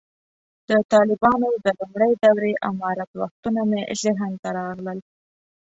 د طالبانو د لومړۍ دورې امارت وختونه مې ذهن ته راغلل.